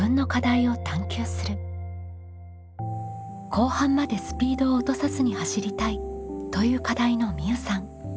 「後半までスピードを落とさずに走りたい」という課題のみうさん。